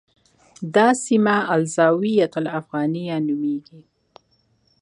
دا سیمه الزاویة الافغانیه نومېږي.